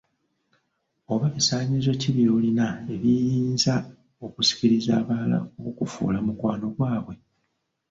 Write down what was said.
Oba bisaanyizo ki by’olina ebiyinza okusikiriza abalala okukufuula mukwanogwabwe?